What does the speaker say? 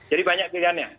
jadi banyak pilihannya